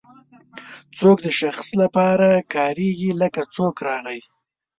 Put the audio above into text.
څوک د شخص لپاره کاریږي لکه څوک راغی.